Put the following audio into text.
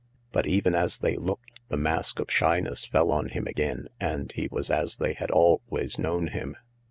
But even as they looked the mask of shyness fell on him again, and he was as they had always known him.